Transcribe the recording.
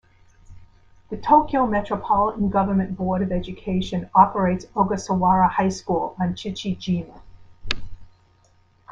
The Tokyo Metropolitan Government Board of Education operates Ogasawara High School on Chichi-jima.